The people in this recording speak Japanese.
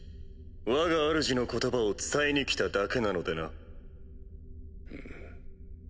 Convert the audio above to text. わがあるじの言葉を伝えに来ただけなのでな。